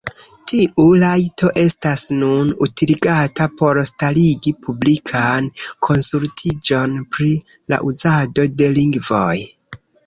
Tiu rajto estas nun utiligata por starigi publikan konsultiĝon pri la uzado de lingvoj.